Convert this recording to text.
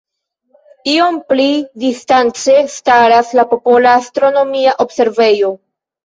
Iom pli distance staras la Popola astronomia observejo.